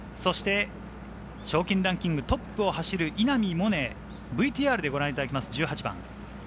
賞金ランキングトップを走る稲見萌寧、ＶＴＲでご覧いただきます、１８番。